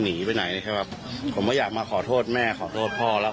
หนีไปไหนใช่ไหมผมก็อยากมาขอโทษแม่ขอโทษพ่อแล้ว